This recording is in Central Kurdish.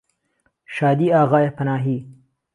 شادی ئاغای پەناهی